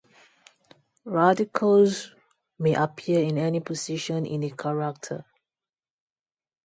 Radicals may appear in any position in a character.